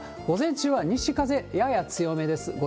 午前中は西風、やや強めです。